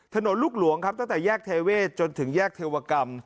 ลูกหลวงครับตั้งแต่แยกเทเวศจนถึงแยกเทวกรรม